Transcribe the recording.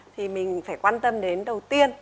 thì mình phải quan tâm đến đầu tiên